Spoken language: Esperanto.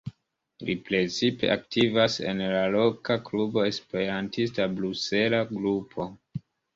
Li precipe aktivas en la loka klubo Esperantista Brusela Grupo.